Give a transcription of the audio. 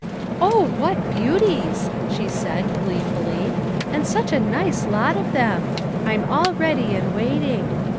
" O, what beauties !" she said, gleefully ;" and such a nice lot of them ! I'm all ready and waiting.